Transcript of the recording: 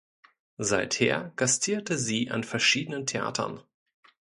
Seither gastierte sie an verschiedenen Theatern.